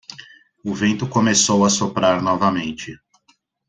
O vento começou a soprar novamente.